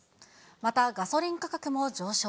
また、ガソリン価格も上昇。